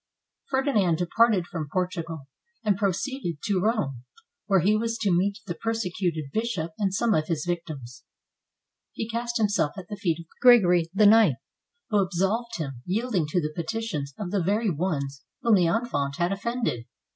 ] Ferdinand departed from Portugal, and proceeded to Rome, where he was to meet the persecuted bishop and some of his victims. He cast himself at the feet of Gregory IX, who absolved him, yielding to the petitions of the very ones whom the infante had offended.